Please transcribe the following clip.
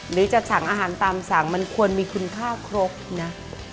หรือจะสั่งอาหารตามสั่งมันควรมีคุณค่าครบนะ